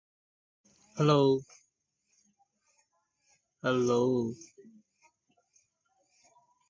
Homer speaks as if there were one town in the island called Lemnos.